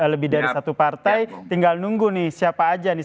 lebih dari satu partai tinggal nunggu nih siapa aja nih